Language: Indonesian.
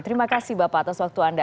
terima kasih bapak atas waktu anda